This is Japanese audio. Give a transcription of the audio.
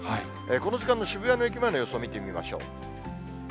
この時間の渋谷の駅前の様子を見てみましょう。